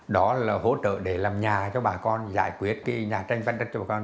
đó là hỗ trợ để làm nhà cho bà con giải quyết cái nhà tranh văn chất cho bà con